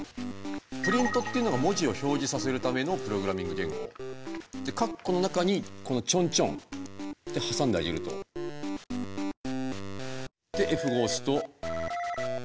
ｐｒｉｎｔっていうのが文字を表示させるためのプログラミング言語。で括弧の中にこのチョンチョンで挟んであげると。でＦ５を押すと。